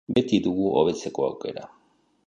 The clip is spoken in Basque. Beti dugu hobetzeko aukera.